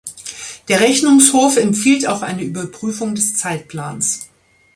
Der Rechnungshof empfiehlt auch eine Überprüfung des Zeitplans.